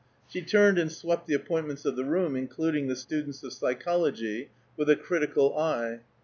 She turned and swept the appointments of the room, including the students of psychology, with a critical eye.